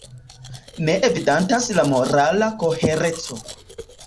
Ne evidentas la morala kohereco.